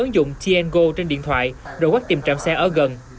dùng tngo trên điện thoại rồi quét tìm trạm xe ở gần